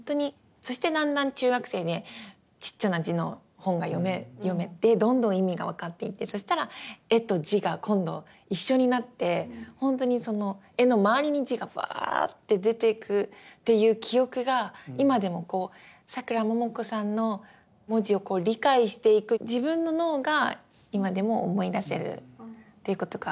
そしてだんだん中学生でちっちゃな字の本が読めてどんどん意味が分かっていってそしたら絵と字が今度一緒になってほんとにその絵の周りに字がばあって出ていくっていう記憶が今でもこうさくらももこさんの文字を理解していく自分の脳が今でも思い出せるっていうことがあるぐらいの人です。